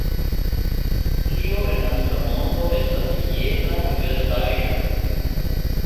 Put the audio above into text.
Kio en la tuta mondo estas jena verdaĵo?